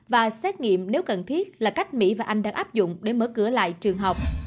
và xét nghiệm nếu cần thiết là cách mỹ và anh đang áp dụng để mở cửa lại trường học